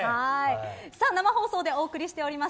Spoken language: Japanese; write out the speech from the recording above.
生放送でお送りしております。